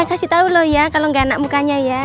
kasih tau loh ya kalau gak enak mukanya ya